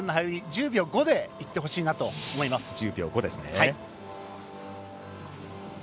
１０秒５でいってほしいと思います。